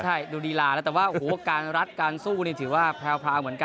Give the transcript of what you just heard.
ใช่ดูดีลานะแต่ว่าการรัฐการสู้นี่ถือว่าพร้าวเหมือนกันนะครับ